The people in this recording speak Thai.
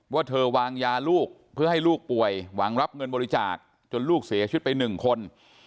ว่าเธอวางยาลูกเพื่อให้ลูกป่วยหวังรับเงินบริจาคจนลูกเสียชีวิตไป๑คน